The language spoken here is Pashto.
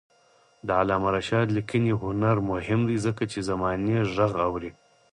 د علامه رشاد لیکنی هنر مهم دی ځکه چې زمانې غږ اوري.